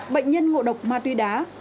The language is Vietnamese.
bệnh nhân ngộ độc ma túy đá